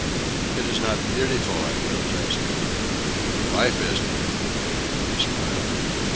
"It is not beautiful," I protested. "Life isn't, you mean," he smiled.